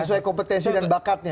sesuai kompetensi dan bakatnya